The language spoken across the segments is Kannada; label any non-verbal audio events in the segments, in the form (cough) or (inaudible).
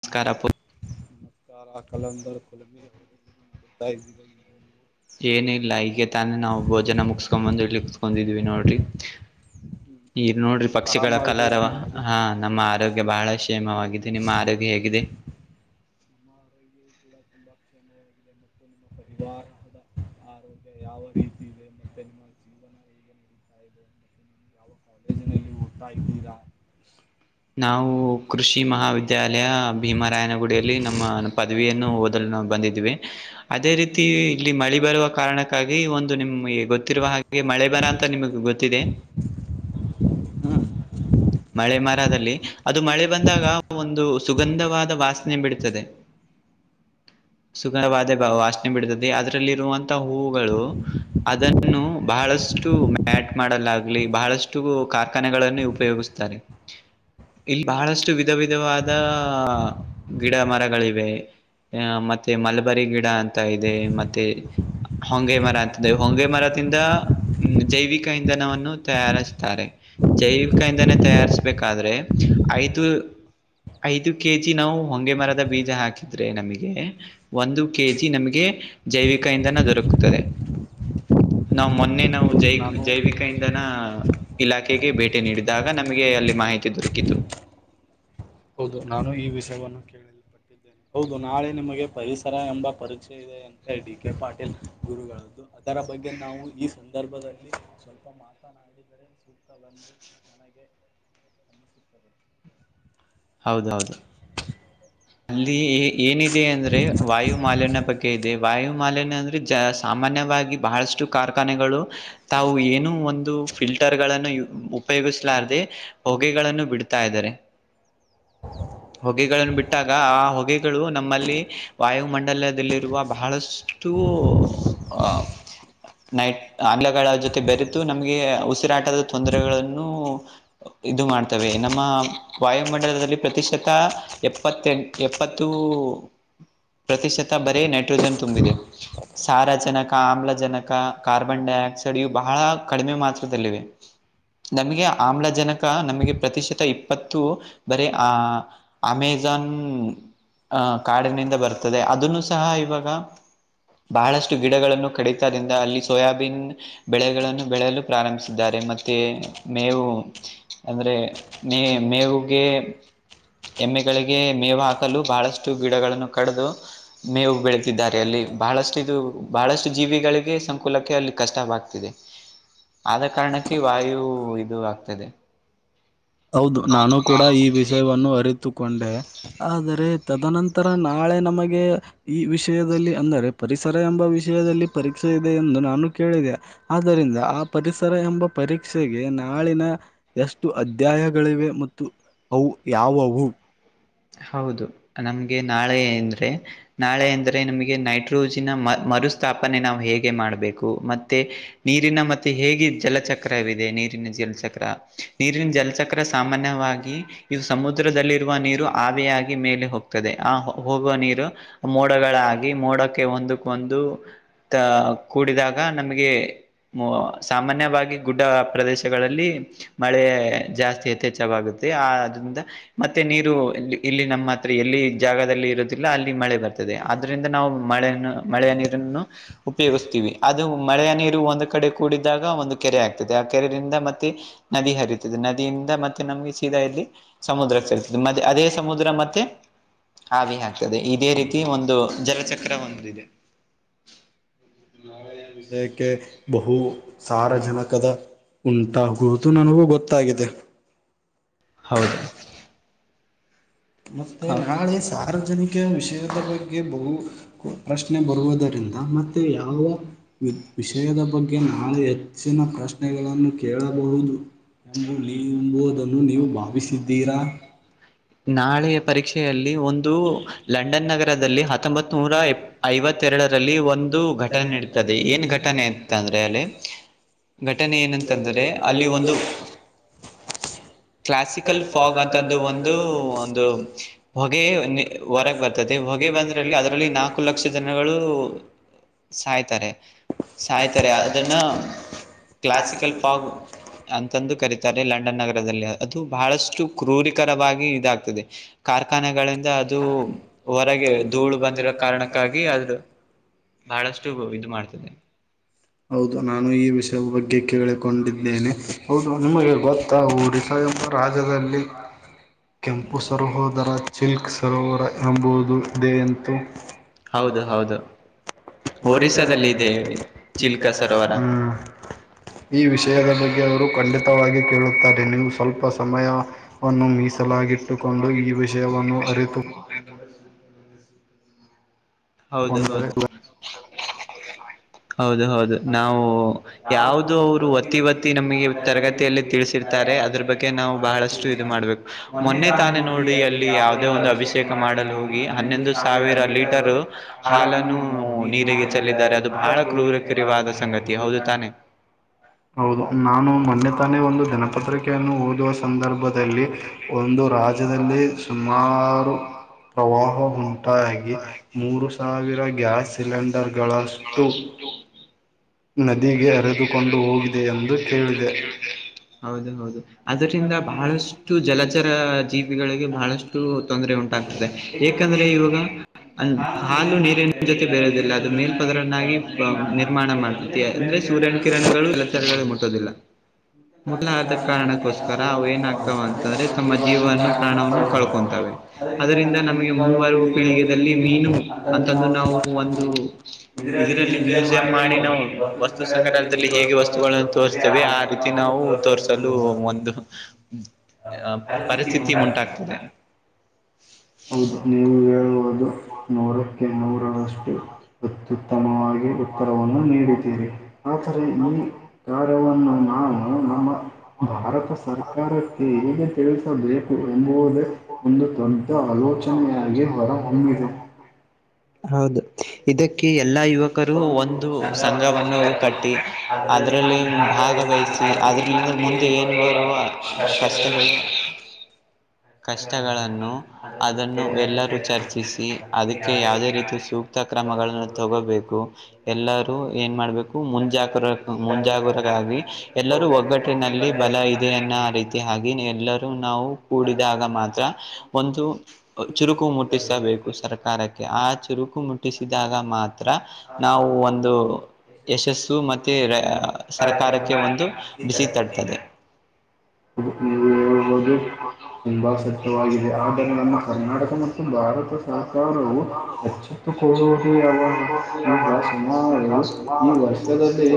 ನಮಸ್ಕಾರ (unintelligible) ಕಾ ಕಲಂದರ್ ಕೊಲಮೆ ಅವರೇ ಇದು ಮಾಡುತ್ತಾ ಇದೀರ ಇಲ್ಲ (unintelligible) ಏನ ಇಲ್ಲ ಈಗೆ ತಾನೇ ನಾವು ಭೋಜನ ಮುಗಸ್ಕೊಂಡ್ ಬಂದು ಇಲ್ಲಿ ಕುೂತ್ಕೊಂಡಿದ್ವಿ ನೋಡ್ರಿ. ಈಗ ನೋಡ್ರಿ ಎಲ್ಲ ಪಕ್ಷಿಗಳ ಆರಾಮಾಗಿದೆ ಕಲರವ ನಿಮ್ಮದು ಹಾ ನಮ್ಮ ಆರೋಗ್ಯ ಬಹಳಷ್ಟು. -ಕ್ಷೇಮವಾಗಿದೆ ನಿಮ್ಮ ಆರೋಗ್ಯ ಹೇಗಿದೆ?. ಕೂಡಂಬಾಕ್ಷ (inaudible) ಇದೆ ಮತ್ತು ನಿಮ್ಮ ಪರಿವಾರದ ಆರೋಗ್ಯ ಯಾವ ರೀತಿ ಇದೆ?. ಮತ್ತೆ ನಿಮ್ಮ ಜೀ (unintelligible) ಯಾವ ಕಾಲೇಜ್ ನಲ್ಲಿ ಓದ್ತಾ ಇದ್ದೀರಾ? ನಾವು ಕೃಷಿ ಮಹಾವಿದ್ಯಾಲಯ ಭೀಮರಾಯನಗುಡಿಯಲ್ಲಿ ನಮ್ಮ ಪದವಿಯನ್ನು ಓದಲು ಬಂದಿದ್ದಿವಿ. ಅದೇ ರೀತಿ ಇಲ್ಲಿ ಮಳೆ ಬರುವ ಕಾರಣಕ್ಕಾಗಿ ಒಂದು ನಿಮ್ಗೆ ಗೊತ್ತಿರುವ ಹಾಗೆ ಹಾಗೆ ಮಳೆ ಬರ ಅಂತ ನಿಮ್ಗ್ ಗೊತ್ತಿದೆ. ಹಾ (inaudible) ಮಳೆ ಮರದಲ್ಲಿ ಅದು ಮಳೆ ಬಂದಾಗ ಒಂದು ಸುಗಂಧವಾದ ವಾಸ ನೆಬಿಡುತ್ತದೆ ಮಳೆ ಸುಗಂದವಾದ ಮರ ವಾಸನೆ ಬಿಡತದೆ ಅದ್ರಲ್ಲಿ ಇರುವಂತಹ ಹೂಗಳು ಅದನ್ನು ಬಹಳಷ್ಟು ಮ್ಯಾಟ್ ಮಾಟಮಾಡಲ್ಲಾಗ್ಲಿ ಬಹಳಷ್ಟು ಕಾರ್ಖಾನೆಗಳಲ್ಲಿ ಉಪಯೋಗಿಸುತ್ತಾರೆ. ತಾರೆ (inaudible) ಇಲ್ಲಿ ಬಹಳಷ್ಟು ವಿಧ ವಿಧವಾದ ಗಿಡ- ಮರಗಳಿವೆ. ಆ ಮತ್ತೆ ಮಲಬರಿ ಗಿಡ ಅಂತ ಇದೆ. ಮತ್ತೆ ಹೊಂಗೆ ಮರ ಅಂತಿದೆ. ಹೊಂಗೆ ಮರದಿಂದ ಹ್ಮ, ಜೈವಿಕ ಇಂಧನವನ್ನು ತಯಾರಿಸು ತ್ತಾರೆ. ಜೈವಿಕ ಇಂಧನ ತಯಾರಿಸ್ಬೇಕಾದ್ರೆ ಐದು ಐದು ಕೆ ಜಿ ನಾವು ಹೊಂಗೆ ಮರದ ಬೀಜ ಹಾಕಿದ್ರೆ ನಮಗೆ ಒಂದು ಕೆ ಜಿ ನಮಗೆ ಜೈವಿಕ ಇಂಧನ ದೊರಕುತ್ತದೆ. ನಾವ್ ಮೊನ್ನೆ ನಾವು ಜೈ ನಾನು ಜೈವಿಕ ಇಂಧನ ಇಲಾಖೆಗೆ ಭೇಟಿ ನೀಡಿದಾಗ ನಮಗೆ ಅಲ್ಲಿ ಮಾಹಿತಿ ದೊರಕಿತು. ಹೌದು, ನಾನು ಈ ವಿಷಯವನ್ನು ಕೇಳಲ್ಪಟ್ಟಿದ್ದೇನೆ. ಹೌದು ನಾಳೆ ನಿಮಗೆ ಪರಿಸರ ಎಂಬ ಪರಿಚಯ ಇದೆ ಅಂತ ಡಿ ಕೆ ಪಾಟೀಲ್ ಗುರುಗಳದ್ದು. ಅದರ ಬಗ್ಗೆ ನಾವು ಈ ಸಂದರ್ಭದಲ್ಲಿ ಸ್ವಲ್ಪ ಮಾತನಾಡಿದರೆ ಸೂಕ್ತವೆಂದು ಹಗೆ ಅನಿಸುತ್ತದೆ ಹೌದೌದು ಅಲ್ಲಿ ಏ ಏನಿದೆ ಅಂದ್ರೆ ವಾಯು ಮಾಲಿನ್ಯ ಬಗ್ಗೆ ಇದೆ ವಾಯು ಮಾಾಲಿನ್ಯ ಅಂದ್ರೆ ಸಾಮಾನ್ಯವಾಗಿ ಬಹಳಷ್ಟು ಕಾರ್ಖಾನೆಗಳು ತಾವು ಏನು ಒಂದು ಫಿಲ್ಟರ್ ಗಳನ್ನು ಉ ಉಪಯೋಗಿಸಲಾರದೆ ಹೊಗೆಗಳನ್ನು ಬಿಡ್ತಾ ಇದ್ದಾರೆ ಹೊಗೆಗಳನ್ನು ಬಿಟ್ಟ ಬಿಟ್ಟಾಗ ಆ ಹೊಗೆಗಳು ದು ನಮ್ಮಲ್ಲಿ ವಾಯುಮಂಡಲದಲ್ಲಿರುವ ಬಹಳಷ್ಟು ಹ ನೈಟ್ ಆಂಗ್ಲಗಳ ಜೊತೆ ಬೆರೆತು ನಮ್ಗೆ ಉಸಿರಾಟದ ತೊಂದರೆಗಳನ್ನು ಇದು ಮಾಡ್ತವೆ ನಮ್ಮ ವಾಯುಮಂಡಲದಲ್ಲಿ ಪ್ರತಿಶತ ಎಪ್ ಎಪ್ಪತ್ ಎಂಟ್ ಎಪ್ಪತ್ತು ಪ್ರತಿಶತ ಬರೀ ನೈಟ್ರೋಜನ್ ತುಂಬಿದೆ ಸಾರ ಜನಕ ಆಮ್ಲಜನಕ ಕಾರ್ಬನ್ ಡೈಆಕ್ಸೈಡ್ ಇವು ಬಹಳ ಕಡಿಮೆ ಮಾತ್ರದಲ್ಲಿವೆ ನಮಗೆ ಆಮ್ಲಜನಕ ನಮಗೆ ಪ್ರತಿಶತ ಇಪ್ಪತ್ತು ಬರೆ ಆ ಆಮೇ ಜನ್ ಕಾಡಿನಿಂದ ಬರ್ತದೆ ಅದನ್ನು ಸಹ ಇವಾಗ ಬಹಳಷ್ಟು ಗಿಡಗಳನ್ನು ಕಡಿತದಿಂದ ಅಲ್ಲಿ ಸೋಯಾಬೀನ್ ಬೆಳೆಗಳನ್ನು ಬೆಳೆಯಲು ಪ್ರಾರಂಭಿಸಿದ್ದಾರೆ ಮತ್ತೆ ಮೇವು ಅಂದ್ರೆ ಮೇ ಮೇವುಗೆ ಎಮ್ಮೆ ಗಳಿಗೆ ಮೇವು ಹಾಕಲು ಬಹಳಷ್ಟು ಗಿಡಗಳನ್ನು ಕಡದು ಮೇವು ಬೆಳತಿದ್ದಾರೆ ಅಲ್ಲಿ ಬಹಳಷ್ಟು ಇದು ಬಹಳಷ್ಟು ಜೀವಿಗಳಿಗೆ ಸಂಕುಲಕ್ಕೆ ಅಲ್ಲಿ ಕಷ್ಟವಾಗ್ತ ತ್ತಿದೆ ಆದ್ ಕಾರಣಕ್ಕೆ ವಾಯು ಇದು ಆಗ್ತಾಯಿದೆ ಹೌದು ನಾನು ಕೂಡ ಈ ವಿಷಯವನ್ನು ಅರಿತುಕೊಂಡೆ ಆದರೆ ತದನಂತರ ನಾಳೆ ನಮಗೆ ಈ ವಿಷಯದಲ್ಲಿ ಅಂದರೆ ಪರಿಸರ ಎಂಬ ವಿಷಯದಲ್ಲಿ ಪರೀಕ್ಷೆ ಇದೆ ಎಂದು ನಾನು ಕೇಳಿದೆ ಆದ್ದರಿಂದ ಆ ಪರಿಸರ ಎಂಬ ಪರೀಕ್ಷೆಗೆ ನಾಳಿನ ಎಷ್ಟು ಅ ಅಧ್ಯಾಯಗಳಿವೆ ಮತ್ತು ಅವು ಯಾವವು ಹೌದು ನಮ್ಗೆ ನಾಳೆ ಎಂದ್ರೆ ನಾಳೆ ಅಂದ್ರೆ ನಮಗೆ ನೈಟ್ರೋಜಿನ್ ಮ ಮರುಸ್ಥಾಪನೆ ನಾವು ಹೇಗೆ ಮಾಡ್ಬೇಕು ಮತ್ತೆ ನೀರಿನ ಮತ್ತೆ ಹೇಗೆ ಜಲಚಕ್ರವಿದೆ ನೀರಿನ ಜಲಚಕ್ರ ನೀರಿನ ಜಲಚಕ್ರ ಚಕ್ರ ಸಾಮಾನ್ಯವಾಗಿ ಇದು ಸಮುದ್ರದಲ್ಲಿರುವ ನೀರು ಆಬೆಯಾಗಿ ಮೇಲೆ ಹೋಗ್ತದೆ ಆ ಹೋಗುವ ನೀರ್ ಮೋಡಗಳಾಗಿ ಮೋಡಕ್ಕೆ ಒಂದಕ್ಕೊಂದು ತಾ ಕೂಡಿದಾಗ ನಮಗೆ ಮೂ ಸಾಮಾನ್ಯವಾಗಿ ಗುಡ್ಡ ಪ್ರದೇಶಗಳಲ್ಲಿ ಮಳೆ ಜಾಸ್ತಿ ಯಥೆಚ್ಚವಾಗುತ್ತೆ ಆ ಅದ್ರಿಂದ ಮತ್ತೆ ನೀರು ಇ ಇಲ್ಲಿ ನಮ್ಮ ಹತ್ರ ಎಲ್ಲಿ ಜಾಗದಲ್ಲಿ ಇರುದಿಲ್ಲ ಅಲ್ಲಿ ಮಳೆ ಬರ್ತದೆ ಆದ್ದರಿಂದ ನಾವು ಮಳೆಯನ್ನ್ ಮಳೆಯ ನೀರನ್ನು ಉಪಯೋಗಸ್ತೀವಿ ಅದು ಮಳೆಯ ನೀರು ಒಂದು ಕಡೆ ಕೂಡಿದಾಗ ಒಂದು ಕೆರೆ ಆಗ್ತದೆ ಆ ಕೆರೆಯಿಂದ ಮತ್ತೆ ನದಿ ಹರಿತದೆ ನದಿಯಿಂದ ಮತ್ತೆ ನಮ್ಗೆ ಸೀದಾ ಇಲ್ಲಿ ಸಮುದ್ರ ಸೆರತದೆ ಮ ಮತ್ತೆ ಅದೇ ಸಮುದ್ರ ಮತ್ತೆ ಹಾಗೆ ಆಗ್ತದೆ ಇದೇ ರೀತಿ ಒಂದು ಜಲಚಕ್ರ ಒಂದಿದೆ ವಿಷಯಕ್ಕೆ ಬಹು ಸಾರಜನಕದ (unintelligible) ಉಂಟಾಗುವುದು ನನಗೂ ಗೊತ್ತಾಗಿದೆ ಹೌದು ಮತ್ತೆ ಹೌದು ನಾಳೆ ಸಾರ್ವಜನಿಕ ವಿಷಯದ ಬಗ್ಗೆ ಬಹು ಪ್ರಶ್ನೆ ಬರುವುದರಿಂದ. ಮತ್ತೆ ಯಾವ. ವಿಷಯದ ಬಗ್ಗೆ ನಾಳೆ ಹೆಚ್ಚಿನ ಪ್ರಶ್ನೆಗಳನ್ನು ಕೇಳಬಹುದು. ಎಂಬ ನಿಂಬುವುದನ್ನು ನೀವು ಭಾವಿಸಿದ್ದೀರಾ. ನಾಳೆ ಪರೀಕ್ಷೆ ಒಂದು ಲಂಡನ್ ನಗರದಲ್ಲಿ ಹತ್ತೊಂಬತ್ ನೂರ ಐವತ್ತೆರಡರಲ್ಲಿ ಒಂದು ಘಟನೆ. ಘಟನೆ ನಡತದೆ ಏನ್ ಘಟನೆ ಅಂತ ಅಂದ್ರೆ ಅಲ್ಲಿ. ಘಟನೆ ಏನಂತಂದ್ರರೆ ಅಲ್ಲಿ ಒಂದು. ಕ್ಲಾಸಿಕಲ್ ಫಾಗ್ ಅಂತಂದು ಒಂದು. ಒಂದು ಹೊಗೆ ಹೊರಗೆ ಬರ್ತದೆ ಹೊಗೆ ಬಂದ್ರಲ್ಲಿ ಅದರಲ್ಲಿ ನಾಲ್ಕು. ಲಕ್ಷ ಜನಗಳು. ಸಾಯ್ತಾರೆ ಸಾಯ್ತಾರೆ ಅದನ್ನ ಕ್ಲಾಸಿಕಲ್ ಫಾಗ್. ಅಂತಂದು ಕರೀತಾರೆ ಲಂಡನ್ ನಗರದಲ್ಲಿ ಅದು ಬಹಳಷ್ಟು ಕ್ರೂರಿಕರವಾಗಿ ಇದಾಗ್ತದೆ. ಕಾರ್ಖಾನೆಗಳಿಂದ ಅದು ಹೊರಗೆ ಧೂಳು ಬಂದಿರೋ ಕಾರಣಕ್ಕಾಗಿ ಅದು. ಬಹಳಷ್ಟು ಇದು ಮಾಡ್ತದೆ. ಹೌದು ನಾನು ಈ ವಿಷಯ ಬಗ್ಗೆ ಕೇಳಿಕೊಂಡಿದ್ದೇನೆ. ಹೌದು ನಿಮಗೆ ಗೊತ್ತಾ ಒರಿಷ ಎಂಬ ರಾಜ್ಯದಲ್ಲಿ. ಕೆಂಪು ಸರೋದರ ಚಿಲ್ಕ್ ಸರೋವರ ಎಂಬುದು ಇದೆ ಎಂತೆ. ಹೌದು ಹೌದು ಒರಿಸ್ಸಾದಲ್ಲಿ ಇದೆ. ಚಿಲ್ಕ ಸರೋವರ ಹ್ಮ್ ಈ ವಿಷಯದ ಬಗ್ಗೆ ಅವರು ಖಂಡಿತವಾಗಿ ಕೇಳುತ್ತಾರೆ ನೀವು ಸ್ವಲ್ಪ ಸಮಯ. ವಿಷಯವನ್ನು (unintelligible) ಹೌದು ಅರಿತುಕೊಂಡರೆ ಹೌದು ಹೌದು ಹೌದು. ನಾವು ಯಾವುದೋ ಅವರು ವತಿ ವತಿ ನಮಗೆ ತರಗತಿಯಲ್ಲಿ ತಿಳಿಸಿರ್ತಾರೆ ಅದ್ರ ಬಗ್ಗೆ. ಅದಿಕ್ಕೆ ನಾವು ಬಹಳಷ್ಟು ಇದು ಮಾಡ್ಬೇಕು. ಮೊನ್ನೆ ತಾನೇ ನೋಡಿ ಅಲ್ಲಿ ಯಾವುದೋ ಒಂದು ಅಭಿಷೇಕ ಮಾಡಲು ಹೋಗಿ ಹನ್ನೊಂದು ಸಾವಿರ ಲೀಟರ್. ಹಾಲನ್ನು ನೀರಿಗೆ ಚೆಲ್ಲಿದ್ದಾರೆ ಅದು ಬಹಳ ಕ್ರೂರಕರಿವಾದ ಸಂಗತಿ ಹೌದು ತಾನೇ. ಹೌದು ನಾನು ಮೊನ್ನೆ ತಾನೇ ಒಂದು ದಿನಪತ್ರಿಕೆಯನ್ನು ಓದುವ ಸಂದರ್ಭದಲ್ಲಿ. ಒಂದು ರಾಜ್ಯದಲ್ಲಿ ಸುಮಾರು ಪ್ರವಾಹ ಉಂಟಾಗಿ. ಮೂರು ಸಾವಿರ ಗ್ಯಾಸ್ ಸಿಲಿಂಡರ್ಗಳಷ್ಟು. (inaudible) ನದಿಗೆ ಅರೆದುಕೊಂಡು ಹೋಗಿದೆ ಎಂದು ಕೇಳಿದೆ. ಹೌದು ಹೌದು ಅದರಿಂದ ಬಹಳಷ್ಟು ಜಲಚರ ಜೀವಿಗಳಿಗೆ ಬಹಳಷ್ಟು. ತೊಂದರೆ ಉಂಟಾಗ್ತದೆ ಯಾಕಂದ್ರೆ ಇವಾಗ ಹಾಲು ನೀರಿ. ಜೊತೆ ಬೇರೆಯದಿಲ್ಲ ಅದು ಮೇಲ್ಪದರನ್ನಾಗಿ ನಿರ್ಮಾಣ ಮಾಡ್ತೈತಿ ಅಂದ್ರೆ ಸೂರ್ಯನ ಕಿರಣಗಳು ಆದರ ಮುಟ್ಟ. (unintelligible) ಕಾರಣಕ್ಕೋಸ್ಕರ ಅವ ಏನಾಗಗ್ತಾವ. ಅಂತಂದೆ ತಮ್ಮ ಜೀವವನ್ನು ಪ್ರಾಣವನ್ನು ಕಳ್ಕೊಂತದ್ದೆ. ಅದರಿಂದ ನಮಗೆ ಮುಂಬರುವ ಪೀಳಿಗೆಯದಲ್ಲಿ ಮೀನು ಅಂತಂದು ನಾವು ಒಂದು ಇದರಲ್ಲಿ ಮ್ಯೂಸಿಯಂ ಮಾಡಿ ನಾವು ವಸ್ತು ಸಂಗ್ರಹದಲ್ಲಿ ಹೇಗೆ ವಸ್ತುಗಳನ್ನು ತೋರಿಸಸ್ತೇವೆ ಆ ರೀತಿ. ನಾವು ತೋರ್ರಿಸಲು ಒಂದು ಪರಿಸ್ಥಿತಿ ಉಂಟಾಗ್ತದೆ. ಹೌದು ನೀವು ಹೇಳುವುದು ನೂರಕ್ಕೆ ನೂರರಷ್ಟು. ಅತ್ಯುತ್ತಮವಾಗಿ ಉತ್ತರವನ್ನು ನೀಡಿದ್ದೀರಿ ಆದರೆ ಈ. ಕಾರ್ಯವನ್ನು ನಾವು ನಮ್ಮ ಭಾರತ ಸರ್ಕಾರಕ್ಕೆ ಹೇಗೆ ತಿಳಿಸಬೇಕು ಎಂಬುದೇ ಒಂದು ತೊಂದರೆ. ಆಲೋಚನೆಯಾಗಿ ಹೊರ ಹೊಮ್ಮಿದೆ. (unintelligible) ಹೌದು ಇದಕ್ಕೆ ಯ (inaudible) ಎಲ್ಲಾ ಯುವಕರು ಒಂದು ಸಂಘವನ್ನು ಕಟ್ಟಿ ಅದರಲ್ಲಿ ಭಾಗವಹಿಸಿ. (inaudible) ಅದ್ರಲಿಂದ ಮುಂದೆ ಏನ್ ಬರುವ ಕಷ್ಟಗಳು. (unintelligible) (inaudible) ಕಷ್ಟಗಳನ್ನು (inaudible) ಅದನ್ನು ಎಲ್ಲರೂ ಚರ್ಚಿಸಿ ಅದಕ್ಕೆ ಯಾವುದೇ ರೀತಿ ಸೂಕ್ತ ಕ್ರಮಗಳನ್ನು (unintelligible) ತೋಗೋಬೇಕು ಎಲ್ಲರೂ ಏನ್ ಮಾಡ್ಬೇಕು ಮುಂಜಾಗ್ರ ಮುಂಜಾಗ್ರತರಾಗಿ (inaudible) ಎಲ್ಲರೂ ಒಗ್ಗಟ್ಟಿನಲ್ಲಿ ಬಲ ಇದೆ ಎನ್ನುವ ರೀತಿ ಹಾಗಿ ಎಲ್ಲರೂ ನಾವು (inaudible) ಕೂಡಿದಾಗ ಮಾತ್ರ ಒಂದು ಚುರುಕು ಮುಟ್ಟಿಸಬೇಕು ಸರ್ಕಾರಕ್ಕೆ. (inaudible) ಆ ಚುರುಕು ಮುಟ್ಟಿಸಿದಾಗ ಮಾತ್ರ ನಾವು ಒಂದು (inaudible) ಯಶಸ್ಸು ಮತ್ತೆ ರೆ ಸರ್ಕಾರಕ್ಕೆ ಒಂದು ಬಿಸಿ ತಡ್ತದೆ. (inaudible) ನೀವೇ ಹೇಳಬೋದು. (inaudible) (unintelligible) ಶಿವ ಸತ್ಯವಾಗಿದೆ ಆದರೆ ನಮ್ಮ ಕರ್ನಾಟಕ ಮತ್ತು ಭಾರತ ಸರ್ಕಾರವು ಹೆಚ್ಚು (inaudible) ಕೊಡುವುದು ಯಾವತ್ತೂ. (inaudible) ಈ ಒಂದ ಈಗ ಸುಮಾರು ಈ ವರ್ಷದಲ್ಲಿ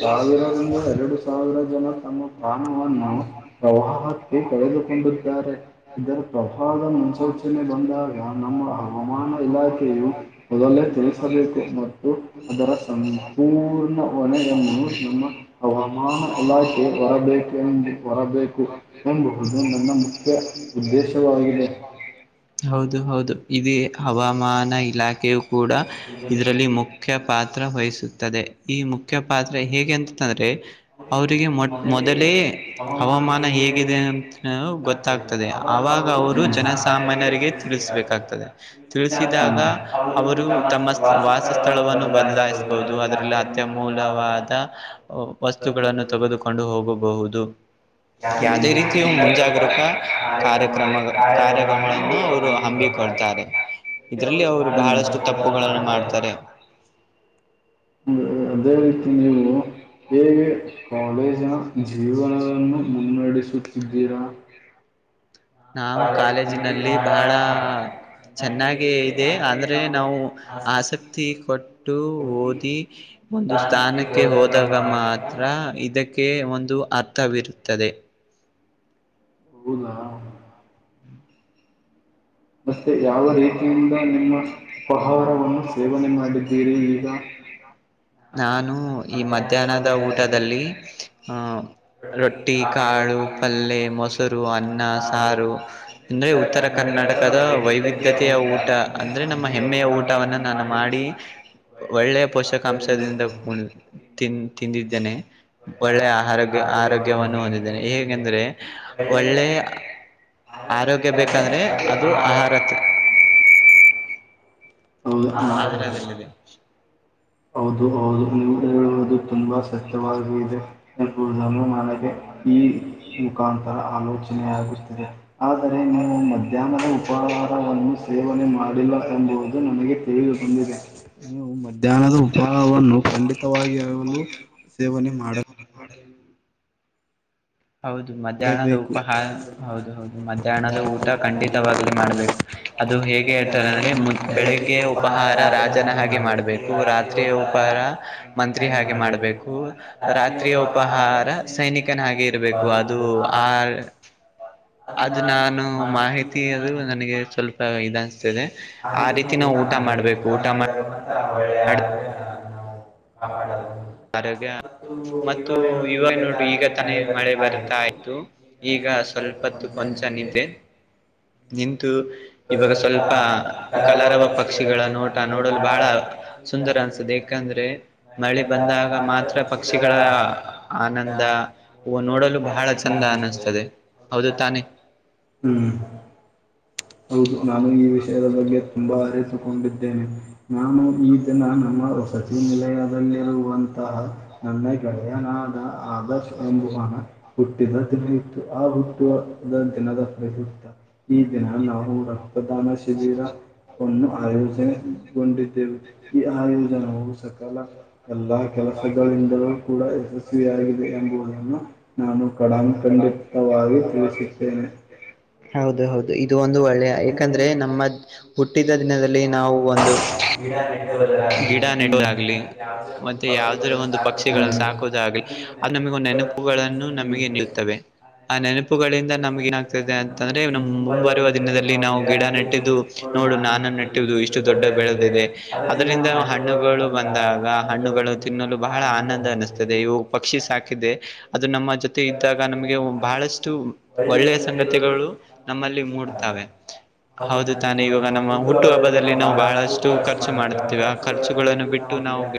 ಸಾವಿರದಂದಿ ಎರಡು (inaudible) (unintelligible) ಸಾವಿರ ಜನರು ತಮ್ಮ ಪ್ರಾಣವನ್ನು ಪ್ರವಾಹಕ್ಕೆ ಕಳೆದುಕೊಂಡಿದ್ದಾರೆ. (inaudible) (unintelligible) ಇದರ ಪ್ರವಾಹದ ಮುನ್ಸೂಚನೆ ಬಂದಾಗ ನಮ್ಮ ಹವಾಮಾನ ಇಲಾಖೆಯು (inaudible) ಮೊದಲೇ ತಿಳಿಸಬೇಕು. (unintelligible) ಮತ್ತು ಅದರ ಸಂಪೂರ್ಣ ಹೊಣೆಯನ್ನು ನಮ್ಮ ಹವಾ (unintelligible) ಮಾನ ಇಲಾಖೆ ಹೊರಬೇಕೆಂಬ ಹೊರಬೇಕು ಎಂಬಹುದು ನನ್ನ ಮುಖ್ಯ (inaudible) (unintelligible) (inaudible) ಉದ್ದೇಶವಾಗಿದೆ. (unintelligible) ಹೌದು ಹೌದು ಇದೇ ಹವಾಮಾನ ಇಲಾಖೆಯು ಕೂಡ ಇದರಲ್ಲಿ ಮು (inaudible) (unintelligible) ಮುಖ್ಯ ಪಾತ್ರ ವಹಿಸುತ್ತದೆ ಈ ಮುಖ್ಯ ಪಾತ್ರ ಹೇಗ ಎಂದುತ್ತಾರೆ. (unintelligible) (inaudible) ಅವರಿಗೆ ಮೊಟ ಮೊದಲೇ ಹವಾಮಾನ ಹೇಗಿದೆ ಅಂತವು ಗೊತ್ತ (inaudible) (unintelligible) ಆಗತ್ತದೆ ಅವಾಗ ಅವರು ಜನಸಾಮಾನ್ಯರಿಗೆ ತಿಳಿಸ್ಬೇಕಾಗ್ತದೆ ತಿಳಿಸಿದಾಗ (inaudible) (unintelligible) ಅವರು ತಮ್ಮ ವಾಸ ಸ್ಥಳವನ್ನು ಬದಲಾಯಿಸಬಹುದು ಅದರಲ್ಲಿ ಅತ್ಯ ಅಮೂಲ್ಯವಾದ (unintelligible) (inaudible) ವಸ್ತುಗಳನ್ನು ತೋಗೋದು ಕೊಂಡು ಹೋಗಬಹುದು. (inaudible) ಯಾದೇ ರೀತಿಯು ಮುಂಜಾಗ್ರಕ ಕಾರ್ಯಕ್ರಮ ಕಾರ್ಯ ಗಮನವನ್ನು ಅವ್ರು ಹಮ್ಮಿ (inaudible) (unintelligible) ಕೊಡ್ತಾರೆ ಇದ್ರಲ್ಲಿ ಅವರು ಬಹಳಷ್ಟು ತಪ್ಪುಗಳನ್ನು ಮಾಡ್ತಾರೆ. (unintelligible) (inaudible) ಹು ಹು ಅದೇ ರೀತಿ ನೀವು? (inaudible) (unintelligible) ಹೇಗೆ ಕಾಲೇಜಿನ ಜೀವನವನ್ನು ಮುನ್ನಡೆಸುತ್ತಿದ್ದೀರಾ? (unintelligible) (inaudible) ನಾವು ಕಾಲೇಜಿನಲ್ಲಿ ಬಹಳ (unintelligible) (inaudible) ಚೆನ್ನಾಗೆ ಇದೆ ಆದರೆ ನಾವು ಆಸಕ್ತಿ ಕೊಟ್ಟು ಓದಿ (unintelligible) (inaudible) ಒಂದು ಸ್ಥಾನಕ್ಕೆ ಹೋದಾಗ ಮಾತ್ರ ಇದಕ್ಕೆ ಒಂದು ಅರ್ಥವಿರುತ್ತದೆ. (unintelligible) (inaudible) ಹೌದಾ? (unintelligible) ಹಾ (unintelligible) ಮತ್ತೆ ಯಾವ ರೀತಿಯಿಂದ ನಿಮ್ಮ ಪಹಾರವನ್ನು ಸೇವನೆ ಮಾಡಿದ್ದೀರಿ ಈಗ? (unintelligible) (inaudible) ನಾನು ಈ ಮಧ್ಯಾಹ್ನದ ಊಟದಲ್ಲಿ ಆ (inaudible) (unintelligible) ರೊಟ್ಟಿ ಕಾಳು ಪಲ್ಲೆ ಮೊಸರು ಅನ್ನ ಸಾರು (unintelligible) (inaudible) ಅಂದ್ರೆ ಉತ್ತರ ಕರ್ನಾಟಕದ ವೈವಿ (unintelligible) ಧ್ಯತೆಯ ಊಟ ಅಂದ್ರೆ ನಮ್ಮ ಹೆಮ್ಮೆಯ ಊಟವನ್ನು ನಾನು ಮಾಡಿ. (inaudible) (unintelligible) ಒಳ್ಳೆ ಪೋಷಕಾಂಶದಿಂದ ಫುಲ್ ತಿನ್ನ ತಿಂದಿದ್ದೇನೆ ಒಳ್ಳೆ ಆಹಾರ (unintelligible) (inaudible) ಆರೋಗ್ಯವನ್ನು ಹೊಂದಿದ್ದೇನೆ ಹೇಗೆಂದ್ರೆ ಒಳ್ಳೆಯ (unintelligible) ಆರೋಗ್ಯ ಬೇಕ ಆದರೆ ಅದು ಆಹಾರ ತಿನ್ನಬೇಕು. (inaudible) (unintelligible) ಹೌದಾ ಆಹಾರ ಅದಲ್ಲದೆ. (inaudible) (unintelligible) ಹೌದು ಹೌದು ನೀವು ಹೇಳುವುದು ತುಂಬಾ ಸತ್ಯವಾಗಿದೆ. ಎಂಬುವುದನ್ನು ನನಗೆ ಈ ಮುಖಾಂತರ ಆಲೋಚನೆ ಆಗುತ್ತಿದೆ. ಆದರೆ ನೀವು ಮಧ್ಯಾಹ್ನದ ಉಪಹಾರವನ್ನು ಸೇವನೆ ಮಾಡಿಲ್ಲ ಎಂಬುದು ನನಗೆ ತಿಳಿದು ಬಂದಿದೆ ನೀವೂ ಮಧ್ಯಾನ ಧ್ಯಾನದ ಉಪಹಾರವನ್ನು ಖಂಡಿತವಾಗಿಲು ಸೇವನೆ ಮಾಡ (inaudible) ಹೌದು ಮಧ್ಯಾಹ್ನದ ಮಾಡಲೇಬೇಕು. ಉಪಹಾರ ಹೌದು ಹೌದು ಮಧ್ಯಾಹ್ನದ ಊಟ ಖಂಡಿತವಾಗ್ಲಿ ಮಾಡ್ಬೇಕು. ಅದು ಹೇಗೆ ಹೇಳ್ತಾರೆ ಅಂದ್ರೆ ಬೆಳಿಗ್ಗೆ ಉಪಹಾರ ರಾಜನ ಹಾಗೆ ಮಾಡ್ಬೇಕು ರಾತ್ರಿ ಉಪಾರ ಮಂತ್ರಿ ಹಾಗೆ ಮಾಡಬೇಕು ರಾತ್ರಿಯ ಉಪಹಾರ ಸೈನಿಕನ ಹಾಗೆ ಇರಬೇಕು ಅದು. ಆ ಅದು ನಾನು ಮಾಹಿತಿ ಅದು ನನಗೆ ಸ್ವಲ್ಪ ನಾವ್ ಇದಾ ಅನ್ಸ್ತಿದೆ ಆ ರೀತಿ ನಾವು ಊಟ ಮಾಡಬೇಕು ಊಟ ಮಾ (unintelligible) ಒಳ್ಳೆಯ ಆಹಾರ ಇದ್ರೆ ನಮ್ಮಗ ಅದ. (unintelligible) ಆರೋಗ್ಯ ಮತ್ತು ಇವಾಗ ನೋಡಿರಿ ಈಗ ತಾನೇ ಮಳೆ ಬರ್ತಾ ಇತ್ತು. (unintelligible) ಈಗ ಸ್ವಲ್ಪತ್ತು ಕೊಂಚ ನಿದ್ದೆ. (unintelligible) ನಿಂತು ಇವಾಗ ಸ್ವಲ್ಪ (unintelligible) ಕಲರವ ಪಕ್ಷಿಗಳ ನೋಟ ನೋಡಲು ಬಹಳ ಸುಂದರ ಅನ್ಸುತ್ತೆ ಏಕಂದ್ರೆ ಮಳೆ ಬ (unintelligible) ಬಂದಾಗ ಮಾತ್ರ ಪಕ್ಷಿಗಳ ಆನಂದ ಓ ನೋಡಲು ಬಹಳ ಚಂದ ಅನಿಸ್ತದೆ. (unintelligible) ಹೌದು ತಾನೇ. (unintelligible) ಹೂ. (unintelligible) ಹೌದು ನಾನು ಈ ವಿಷಯದ ಬಗ್ಗೆ ತುಂಬಾ ಅರಿತುಕೊಂಡಿದ್ದೇನೆ. (unintelligible) ನಾನು ಈ ದಿನ ನಮ್ಮ ವಸತಿ ನಿಲಯದಲ್ಲಿರುವಂತಹ (unintelligible) ನನ್ನ ಗೆಳೆಯನಾದ ಆದರ್ಶ್ ಎಂಬುವ ಅನ (unintelligible) ಹುಟ್ಟಿದ ದಿನ ಇತ್ತು ಆ ಹುಟ್ಟುವ ದ ದಿನದ ಪ್ರಯುತ್ತ ಈ ದಿನ (unintelligible) ನಾವು ರಕ್ತದಾನ ಶಿಬಿರಾ ವನ್ನು ಆಯೋಜ (unintelligible) ಗೊಂಡಿದ್ದೇವು ಈ ಆಯೋಜನವು ಸಕಲ (unintelligible) ಎಲ್ಲಾ ಕೆಲಸಗಳಿಂದಲೂ ಕೂಡ ಯಶಸ್ವಿಯಾಗಿದೆ ಎಂಬುದನ್ನು (unintelligible) ನಾನು ಕಡಂಖಂಡಿತವಾಗಿ ತಿಳಿಸುತ್ತೇನೆ. (unintelligible) ಹೌದು ಹೌದು ಇದು ಒಂದು ಒಳ್ಳೆಯ ಯಾಕಂದ್ರೆ ನಮ್ಮ ಹುಟ್ಟಿದ ದಿನದಲ್ಲಿ ನಾವು ಒಂದು (unintelligible) ಗಿಡ ನೆಟ್ಟುವುದಾಗಲಿ ಗಿಡ ನೆಡುವುದಾಗ್ಲಿ ಯಾವುದೇ ಒಂದು ಮತ್ತೆ ಯಾವ್ದರ ಪಕ್ಷಿಗಳನ್ನು ಒಂದು ಸಾಕುವುದು ಪಕ್ಷಿಗಳನ್ನು ಆಗಲಿ. (unintelligible) ಸಾಕುವುದಾಗ್ಲಿ ಅದು ನಮಗ ಒಂದು ನೆನಪುಗಳನ್ನು ನಮಗೆ ನೀಲುತ್ತವೆ ಆ ನೆನಪುಗಳಿಂದ ನಮಗ ಏನಾಗ್ತದೆ ಅನ್ (unintelligible) ಅಂತ ಅಂದ್ರೆ ನಮ್ಮ ಮುಂಬರುವ ದಿನದಲ್ಲಿ ನಾವು ಗಿಡ ನೆಟ್ಟಿದ್ದು ನೋಡು ನಾನು ನೆಟ್ಟಿದ್ದು ಇಸ್ (unintelligible) ಇಷ್ಟು ದೊಡ್ಡ ಬೆಳೆದಿದೆ ಅದ (unintelligible) ಅದರಿಂದ ಹಣ್ಣುಗಳು ಬಂದಾಗ ಹಣ್ಣುಗಳು ತಿನ್ನಲು ಬಹಳ ಆನಂದ ಅನ್ನಿಸ್ತದೆವೂ (unintelligible) ಪಕ್ಷಿ ಸಾಕಿದೆ ಅದು ನಮ್ಮ ಜೊತೆ ಇದ್ದಾಗ ನಮಗೆ ಬಹಳಷ್ಟು ಒಳ್ಳೆಯ ಸಂಗತಿಗಳು (unintelligible) ಳು ನಮ್ಮಲ್ಲಿ (unintelligible) ಮುಟತಾವೆ ಹೌದು ತಾನೇ ಇವಾಗ ನಮ್ಮ ಹುಟ್ಟು ಹಬ್ಬದಲ್ಲಿ ನಾವು ಬಹಳಷ್ಟು ಖರ್ಚು ಮಾಡ್ತ (unintelligible) ತ್ತಿವಿ ಆ ಖರ್ಚುಗಳನ್ನು ಬಿಟ್ಟು ನಾವು ಬೇ (unintelligible)